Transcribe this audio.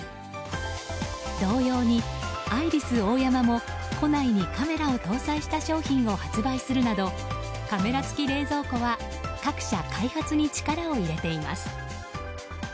同様に、アイリスオーヤマも庫内にカメラを搭載した商品を発売するなどカメラ付き冷蔵庫は各社、開発に力を入れています。